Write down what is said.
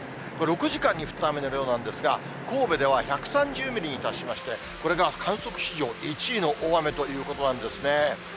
６時間に降った雨の量なんですが、神戸では１３０ミリに達しまして、これが観測史上１位の大雨ということなんですね。